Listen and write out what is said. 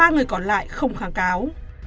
ba người còn lại không kháng cáo